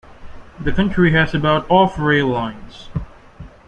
The country has about of rail lines.